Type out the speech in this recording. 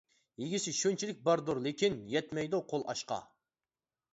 يېگۈسى شۇنچىلىك باردۇر لېكىن يەتمەيدۇ قول ئاشقا.